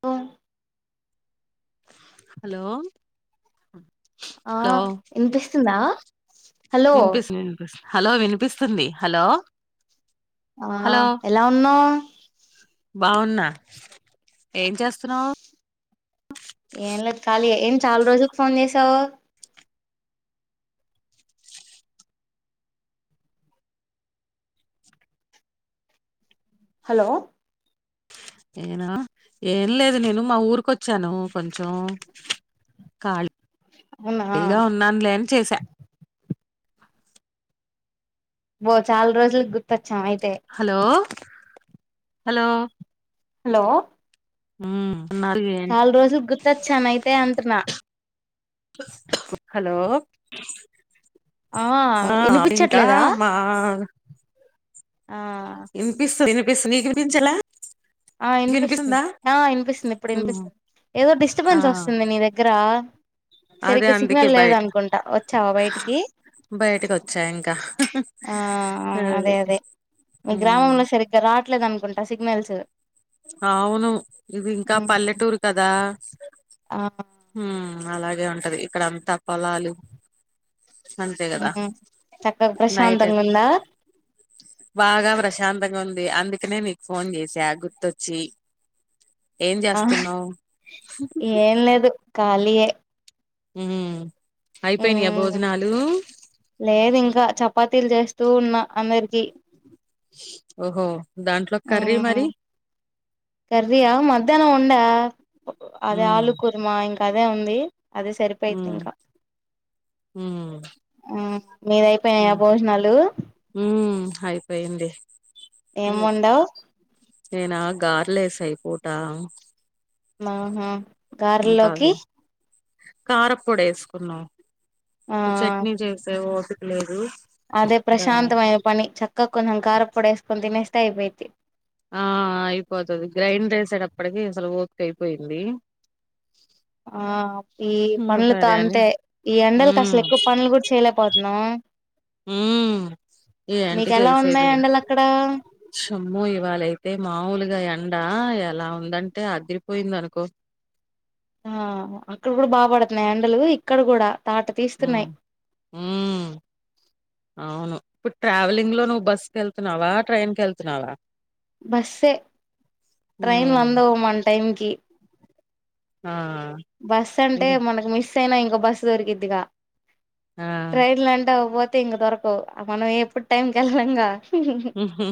పొ హలో ఆ హలో ఇనిపిస్తుందా హలో వినిపిస్తు వినిపిస్తు హలో వినిపిస్తుంది హలో ఆ హలో ఎలా ఉన్నావ్ బాగున్నా ఏంచేస్తున్నావ్ ఏం లేదు కాళియే ఏం చాలా రోజుకు ఫోన్ చేసావ్ హలో ఏన ఏం లేదు నేను మా ఊర్కొచ్చాను కొంచెం అవునా ఖాళీగా ఉన్నానులే అని చేసా ఓ చాల్ రోజులక్ గుర్తో హలో హలో హలో హు మ్ చాల్ రోజుక్ గుర్తొచ్చాను అయితే అంటున్న హలో ఆ ఆ ఇంకా వినిపించట్లేదా ఆ ఇనిపిస్తు ఇనిపిస్తు నీ ఇనిపించల ఆ ఇనిపిస్తుంది ఆ ఇనిపిస్తుంది ఇప్పుడు ఉమ్ ఇనిపిస్తుంది ఏదో ఆ డిస్టర్బెన్స్ వస్తుంది నీ దగ్గర అదే సరిగ్గా అందుకే సిగ్నల్ లేదనుకుంటా వచ్చావా బయటికి బయటికోచ్చా ఇంకా ఆ అదే అది అదే మీ ఉమ్ గ్రామంలో సరిగ్గా రావట్లేదు అనుకుంటా సిగ్నల్స్ అవును ఇది ఇంకా పల్లెటూరు కదా ఆ హూమ్ అలాగే ఉంటది ఇక్కడ అంతా పొలాలు అంతే కదా ఉమ్ చక్కగా నైట్ ప్రశాంతంగా ఉందా బాగా ప్రశాంతంగా ఉం ది అందుకనే నీకు ఫోన్ చేసా గుర్తొచ్చి ఏం ఆ చేస్తున్నావ్ ఏం లేదు కాలియే మ్ అయిపోయినాయా భోజనాలు పాతిల్ చేస్తూ ఉన్న అందరికీ ఓహో దాంట్లో కర్రీ మ్ మరి కర్రియ మధ్యనం ఉందా అదే హ్మ్ ఆలు కుర్మ ఇంకా అదే ఉంది అది హ్మ్ సరిపోయిదింక హ్మ్ మ్ మీవయిపోయినాయ హ్మ్ భోజనాలు హ్మ్ అయిపోయింది ఏం వొండావ్ నేనా గార్లేసా ఈ పూట ఆహా గారేళ్ళోకి కారపొడేసుకున్నం ఆ చట్నీ చేసే ఒపిక లేదు అదే దా ప్రశాంతమైన పని చక్క కొంచెం కారపోడి వేసుకోని తినేస్తే అయిపోయిద్ధి ఆ అయిపోతది గ్రైండ్ వేసేటప్పటికిీ అసలు ఓపిక అయిపోయింది ఆ ఈ ఇంగ పనులతో సరే అని అంతే ఈ ఎండలకి అసలు ఉమ్ ఎక్కువ పనులు కూడా చేయలేకపోతున్నం హుమ్ ఏంటి మీకెలా ఉన్నాయి చేసేది ఎండలు అక్కడ శోమ్మో ఇవాలైతే మాములుగా ఎండా అలా ఉందంటే ఆదిరిపోయింది అనుకో ఆ అక్కడ కూడా బా పడుతున్నాయ ఎండలు ఇక్కడ కూడా తాట మ్ తీస్తున్నాయి మ్ అవును ఇప్పుడు ట్రావెలింగ్ లో నువ్వు బస్ కేళ్తున్నావా ట్రైన్ కేళ్తున్నావా బస్సే ట్రైన్లు ఉమ్ అందవు మన టైంకి ఆ బస్ అంటే ఇగ మనకు మిస్ అయినా ఇంకో బస్సు దొరికిద్దిగా ఆ ట్రైన్లు అంటే ఒక పోతే ఇంక దొరకవు మనం ఎప్పుడు టైంకేళ్లంగా హా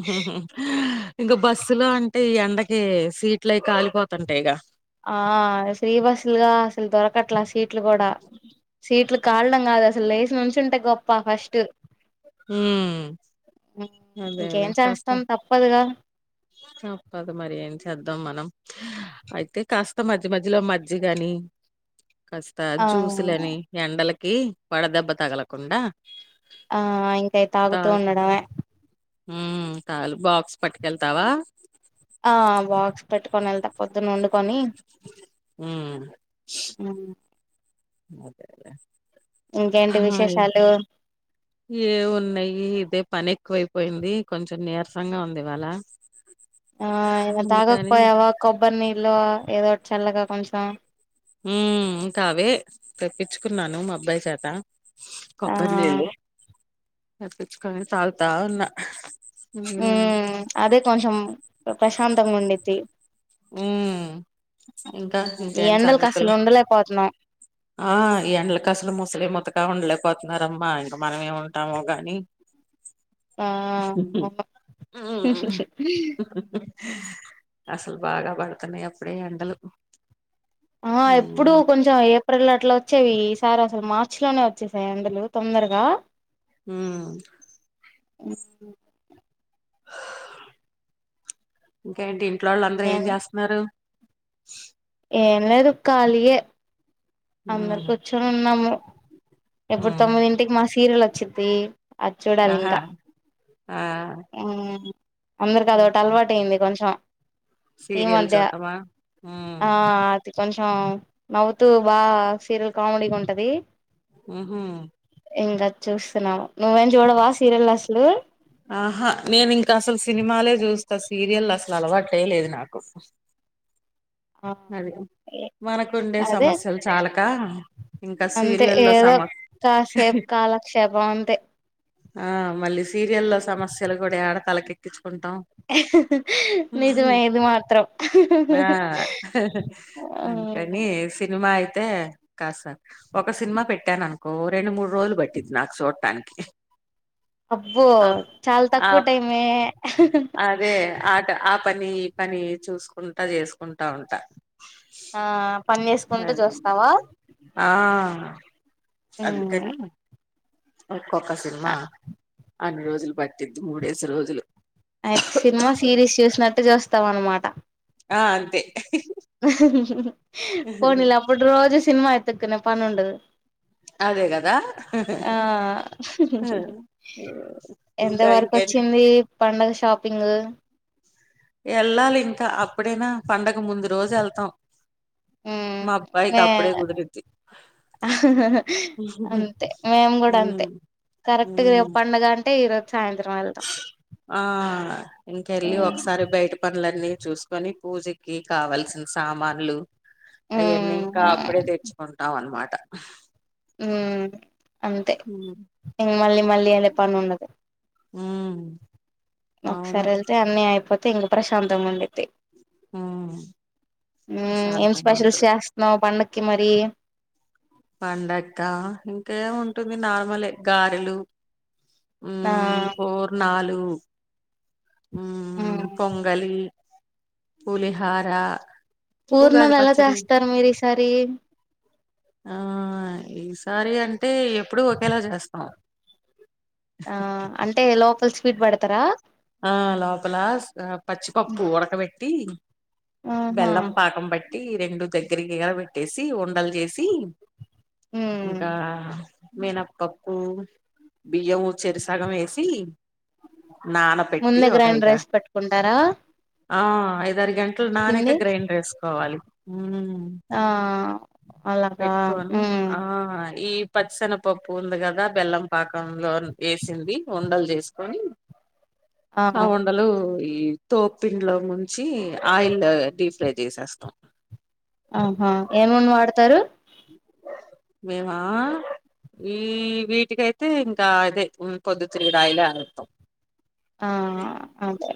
ఇంకా బస్సు లో అంటే ఈ ఎండకి సీట్లు అయి కాలిపోతంటాయి గా ఆ ఫ్రీ బస్లుగా అసలు దొరకట్లా సీట్ ట్లు కూడా సీట్లు కాల్డం కాదు అసలు లేచి నుంచిుంటే గొప్ప ఫస్ట్ ఉమ్ అదేలే ఇంకేం కాస్త చేస్తాం తప్పదుగా తప్పదు మరి ఏం చేద్దాం మనం అయితే కాస్త మధ్య మధ్యలో మజ్జిగ ని కాస్త ఆ జ్యూసులని ఎండలకి వడదెబ్బ తగలకుండా ఆ ఇంకయి తాగుతూ ఉండడమే హూ కాల్ బాక్స్ పట్కెళ్తావా ఆ బాక్స్ పెట్టుకోనెల్త పొద్ దునొండుకొని ఉమ్ ఆ అదే లే ఇంకేంటి విశేషాలు ఏ ఉన్నయి ఇదే పన్నెక్కువైపోయింది. కొంచెం నీరసంగా ఉంది ఇవాళ. ఆ ఇగ అందుకని తాగకపోయావా కొబ్బరినీళ్ళో ఏదోటి చల్లగా కొంచెం మ్మ్ ఇంకవే తెప్పిచ్చుకున్నాను మా అబ్బాయి చేత ఆ కొబ్బరినీల్లు తెప్పిచ్చుకోగానే తాగుతా ఉన్న మ్మ్ అదే కొంచెం ప్రశాంతంగా ఉండిద్ది. ఉమ్ ఇంకా ఈ ఇంకేంటి ఎండలకు సంగతులు అస్సల్ ఉండలేకపోతున్నాం ఆ ఈ ఎండలకి అసలు ముసలి ముతకా ఉండలేకపోతున్నారమ్మా ఇంకా మనం ఏముంటామో గాని ఆ మ్మ్ అసల్ బాగా పడుతున్నాయి అప్పుడే ఎండలు ఆ ఎప్పుడు కొంచెం ఏ ప్రియిల్ అట్లా ఓచ్చేవి ఈసార్ అసలు మార్చిలోనే ఒచ్చేసాయి ఎండలు తొందరగా మ్మ్ ఇంకేంటి ఇంట్లో వాళ్ళు అందరూ ఏం జేస్తున్నారు ఏం లేదు ఖాళీయే అందరు ఉమ్ కూర్చొని ఉన్నాము ఇప్పుడు ఉమ్ తొమ్మిదింటికి మా సీరియల్ ఒచ్చిద్ది. అది ఆహా చూడాలింకా ఆ ఉమ్ అందర్కి అదొటి ఇంకా అలవాటు అయింది కొంచెం ఈ సీరియల్ మధ్య చూడటమా ఉమ్ ఆ అద్ కొంచెం నవ్వుతూ బాగా సీరియల్ కామెడీగూంటది. మ్మ్ హు ఇంగా చూస్తున్నావు నువ్వేం జూడవా సీరియల్ అసలు అంత్ సీరియల్ అసల అలవాటేలేదు నాకు ఆ నది మనకుండే అదే సమస్యలు చాలకా అంతే ఏదో కాసేప్ కాలక్షేపం అంతే ఆ మళ్ళీ సీరియల్లో సమస్యలు గూడా ఏడతలకెక్కించు నిజమే ఇది మాత్రం ఆ అందుకని సిని మా అయితే కాస్త ఒక సినిమా పెట్టాననుకో రెండు మూడు రోజులు పట్టిద్ నాకు సూటానికి అబ్బో అప్ చాలా తక్కువ ఆప్ టైమే అదే ఆట అప్ పని ఈ పని చూసుకుంటా చేసుకుంటా ఉంటా ఆ పని చేసుకుంటూ అద్ చూస్తావా ఆ అందుకని ఒక్కొక్క సినిమా అన్ని రోజులు బట్ అయిత్ సినిమా సిరీస్ చూసినట్టు చూస్తాం అనమాట ఆ అంతే పోనీలే అప్పుడు రోజు సినిమా ఎత్తుకునే పనుండదు. అదే కదా ఆ ఇంకా ఎంతవరకొ ఇంకేంటి కోచ్చింది పండగ షాపింగు యేళ్ళాలి ఇంకా అప్పుడేనా పండగ ముందు రోజు ఏళ్తాం. మ్మ్ మా అబ్బాయిక్ అప్పుడే గుదిర్రిద్ది ఆహా అంతే మేము గూడా అంతే ఉమ్, కరెక్ట్ గా ఉమ్. అప్పు పండగ అంటే ఈరోజ సాయంత్రం ఎళ్తామ్ ఆ ఇంకెళ్ళి ఒకసారి బైట పనులన్నీ చూస్కొని పూజకి కావల్సిన సామాన్లు అయ్యన్నీ ఇంకా మ్మ్ అప్పుడే తెచ్చుకుంటాం అన్నమాట మ్మ్ అంతే ఉమ్, ఇంగ మళ్ళీ మళ్ళీ అదే పనుండదు ఉమ్, అవును ఒకసారెళ్తే అన్నీ అయిపోతే ఇంగ ప్రశాంతంగుంది. ఉమ్, మ్మ్ ఏం ప్రశాంతంగా స్పెషల్స్ ఉంటుంది కదా. చేస్తున్నావ్ పండక్ కి మరి పండక్కా ఇంకేముంటుంది నార్మలే గారెలు హు ఆ మ్మ్ పూర్ణాలు మ్మ్ పొంగలి పులిహారా పూర్ణలేలా చేస్తారు మీరిసారి సారీ అంటే ఎప్పుడు ఒకేలా జేస్తం ఆ అంటే లోకల్ స్వీట్ బెడ్తరా ఆ లోపలస్ పచ్చిపప్పు ఉడకబెట్టి ఆహా బెల్లం పాకం బట్ ట్టి రెండు దగ్గరికి గ బెట్టేసి ఉండల్ జేసి ఉమ్ ఇంకా మినపప్పు బియ్యము చేరిసగమేసి నా ముందే గ్రైండ్ రైస్ పట్టుకుంటారా ఆ ఐదారు గంటలు నానక గ్రైండ్రెస్కోవాలి మ్మ్ ఆ అలాగా పెట్టుకోని ఉమ్ ఆ ఈ పచ్చిసెనగపప్పు ఉంది గదా బెల్లం పాకంలో ఏసింది ఉండలు జేస్కొని ఆ ఉండలు ఈ తోప్పింన్లో ముంచి ఆయిల్ డీ ఫ్రై చేసేస్తాం ఆహా ఏం నూనె వాడ్తరు మేమా ఈ వీటికైతే ఇంకా అదే పొద్దుతిరుగుడు ఆయిలే ఆడ్తం ఆ అంతే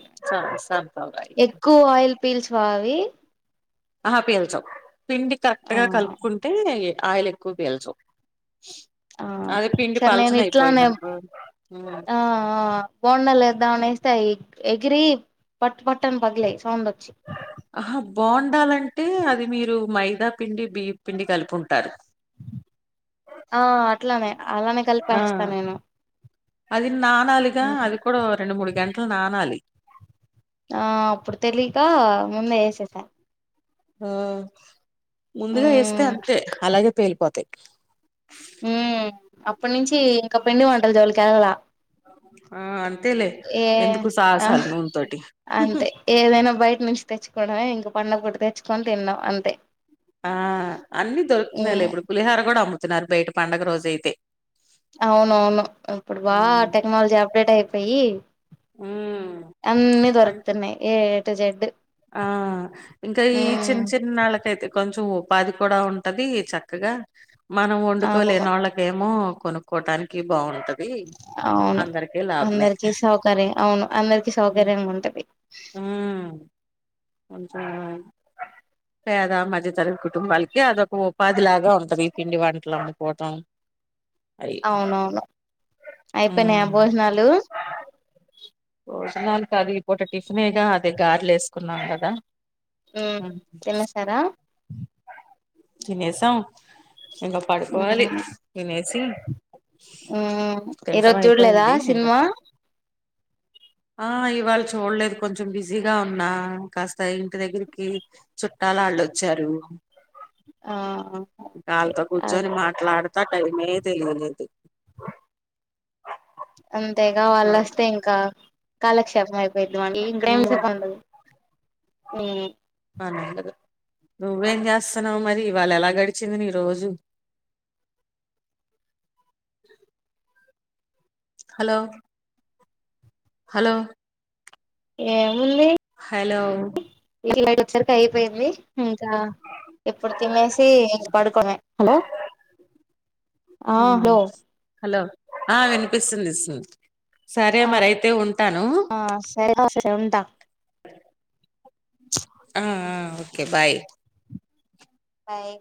సన్ఫ్లవర్ ఆయిల్ ఎక్కువ ఆయిల్ పీల్చవా అవి ఆహా పీల్చవు పిండి ఆ కరెక్ట్గా కలుప్కుంటే ఆయిల్ ఎక్కువ పీల్చవ్ ఆ సర్ నేను ఇట్లానే అయిపోయింది అనుకో హ్మ్ ఆ ఆ బోండలేద్దమనేస్తే అయ్యి ఎగిరి పట్ పట్టని పగ్లయి సౌండ్ ఒచ్చి ఆహా బోండాలంటే అది మీరు మైదా పిండి బియ్యప్పిండి కలిపుంటారు ఆ అట్లానే అలానే ఆ! కలిపేస్తా నేను అది నానాలిగా అది కూడా రెండు మూడు గంటలు నానాలి ఆ అప్పుడు తెలీక ముందే వేసేసా ఆ ముందుగా వేస్తే మ్మ్ అంతే అలాగే పేలిపోతయి హుమ్ అప్పట్నుంచి ఇంకా పిండి వంటల జోలికేల్లాల ఆ! అంతేలే ఏ ఎందుకు ఆ సాహసాలు నూనెతోటి. అంతే ఏదైనా బైట్నుంచి తెచ్చుకో కోవడమే ఇంకా పండగ పూట తెచ్చుకోని తిన్నం అంతే ఆ అన్ని దోల్కుతున్నాయి లే మ్మ్ ఇపుడు పులిహోర కూడా అమ్ముతున్నారు బైట పండుగ రోజైతే అవునవును ఇప్పుడు బా హ్మ్. టెక్నాలజీ అప్డేట్ అయిపోయి హ్మ్. అన్నీ అన్ దొరుకుతున్నాయి ఏ టు జెడ్డు ఆ ఇంకా ఈ చిన్న చిన్నళ్ళకైతే కొంచం ఉపాధి కూడా ఉంటది చక్కగా మనం అవును వండుకోలేనోళ్లకేమో కొనుక్కోటాని కి బాగుంటది అవును అందరికీ లాభమే అందరికి సౌకర్యం అవును అందరికి సౌకర్యంగా ఉంటది హు మ్మ్ కొంచం పేద మధ్యతర్గతి కుటుంబాలకి అదొక ఉపాధి లాగా ఉంటంది ఈ పిండి వంటలండుకోటం అవునవును అయిపయినయ భోజనాలు భోజనాలు కాద్ ఈ పూట టిఫినేగా అదే గర్లేసుకున్నాం కదా మ్ తిన్నెసారా తినేసం ఇంకా పడుకోవాలి తినేసి హుమ్ తినటం ఈరోజు చూడలేదా అయిపోయింది ఇంకా సినిమా పడు ఆ ఇవాళ్ళ చూలేదు కొంచెం బిజీగా ఉన్నా కాస్త ఇంటి దగ్గరికి చుట్టాలలో చ్చారు ఆ ఓకే ఇంకాళ్ళతో కూర్చొని మాట్లాడ్తా టైమే తెలియలేదు అంతేగా వాళ్ళోస్తే ఇంకా కాలక్షేపమై పెట్టుమను ఈ [unintelligible] పండు ఊ పనైనది నువ్వేం జేస్తున్నావు మరి ఇవాళేలా గడిచింది నీ రోజు హలో హలో ఏం హలో ఇంటికి లేటోచరికి అయిపోయింది ఇంకా ఇప్పుడు తినేసి ఇంగ పడుకోడమే హలో ఆ ఊ హలో హలో ఆ వినిపిస్తుంది సరే మరైతే ఉం ఆ సరే సరే ఉంటా ఆ ఆ ఓకే బాయ్ బాయ్